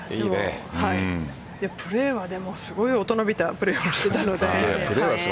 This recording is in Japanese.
プレーはでも、すごい大人びたプレーをしているので。